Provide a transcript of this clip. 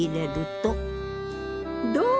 どう？